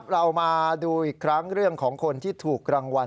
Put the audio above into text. เรามาดูอีกครั้งเรื่องของคนที่ถูกรางวัล